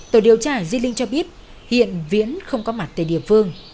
tổ điều tra di linh cho biết hiện viễn không có mặt tại địa phương